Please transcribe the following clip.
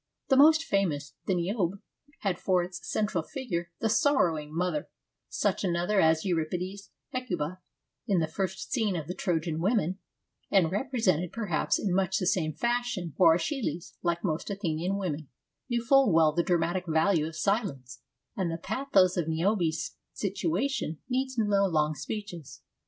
The most famous, the Niobe, had for its central figure the sorrowing mother, such another as Euripides' Hecuba in the first scene of the Trojan Women, and represented perhaps in much the same fashion, for iEschylus, like most Athenian women, knew full well the dramatic value of silence, and the pathos of Niobe's situation needs no long speeches.